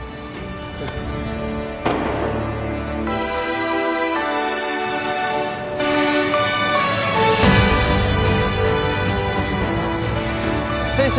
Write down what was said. はい先生